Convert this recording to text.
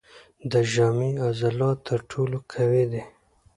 د ژامې عضلات تر ټولو قوي دي.